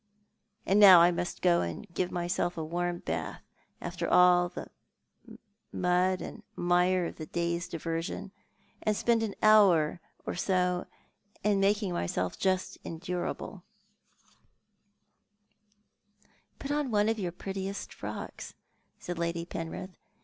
And now I must go and give myself a warm bath, after all the mud and mire of the day's diversion, and spend an hour or so in making myself just endurable." lo Thou art the Man. "Put on one of your prettiest frocks," said Lady Penrith.